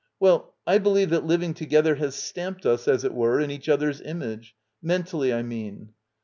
Well, I believe that living together ypBS stamped us, as it were, in each other's image — mentally, I mean.